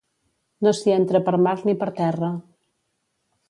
No s'hi entra per mar ni per terra.